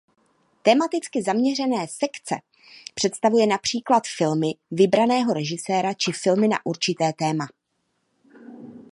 Tematicky zaměřená sekce představuje například filmy vybraného režiséra či filmy na určité téma.